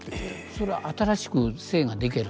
それは新しく姓が出来る？